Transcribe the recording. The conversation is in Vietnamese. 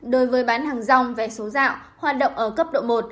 đối với bán hàng dòng vẹt số dạo hoạt động ở cấp độ một